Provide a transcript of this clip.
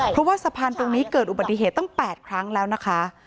เพราะว่าสะพานตรงนี้เกิดอุบัติเหตุตั้ง๘ครั้งแล้วนะคะ